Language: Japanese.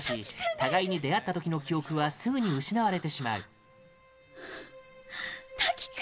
互いに出会った時の記憶はすぐに失われてしまう三葉：瀧君！